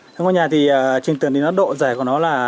thế ngôi nhà thì trịnh tường độ dài của nó là